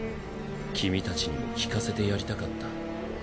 君たちにも聞かせてやりたかった。